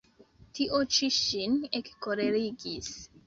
Tio ĉi ŝin ekkolerigis.